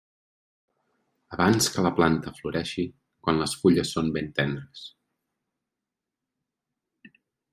Abans que la planta floreixi, quan les fulles són ben tendres.